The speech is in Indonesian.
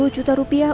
enam puluh juta rupiah